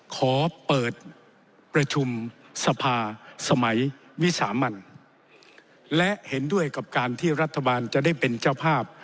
ขอเปิดประชุมสภาสมัยวิสามันและเห็นด้วยกับการที่รัฐบาลจะได้เป็นเจ้าภาพ